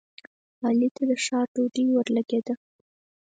علي ته د ښار ډوډۍ ورلګېده.